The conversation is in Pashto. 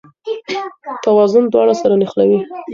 توازن دواړه سره نښلوي.